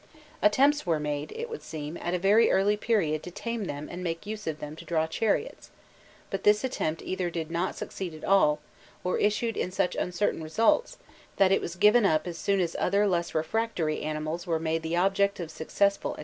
Attempts were made, it would seem, at a very early period to tame them and make use of them to draw chariots; but this attempt either did not succeed at all, or issued in such uncertain results, that it was given up as soon as other less refractory animals were made the subjects of successful experiment.